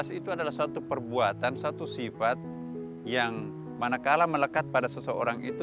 itu adalah satu perbuatan satu sifat yang manakala melekat pada seseorang itu